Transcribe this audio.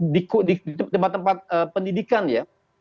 di tempat tempat pendidikan ya